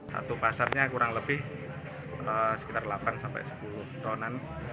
satu pasarnya kurang lebih sekitar delapan sepuluh ton